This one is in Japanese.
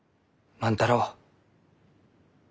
万太郎。